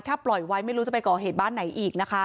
ถ้าปล่อยไว้ไม่รู้จะไปก่อเหตุบ้านไหนอีกนะคะ